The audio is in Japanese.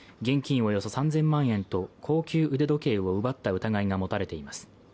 およそ３０００万円と高級腕時計を奪った疑いが持たれています。